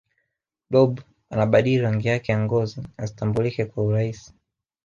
blob anabadili rangi yake ya ngozi asitambulika kwa urahisi